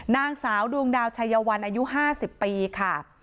นางสาวดวงดาวชัยวันอายุ๕๐ปีค่ะ